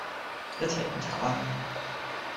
一齊飲茶啦